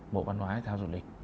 mộ văn hóa thể thao du lịch